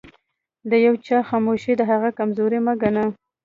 د يوچا خاموښي دهغه کمزوري مه ګنه